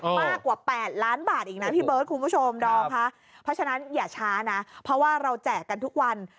มากกว่า๘ล้านบาทอีกนะพี่เบิร์ดคุณผู้ชมดอมค่ะเพราะฉะนั้นอย่าช้านะเพราะว่าเราแจกกันทุกวัน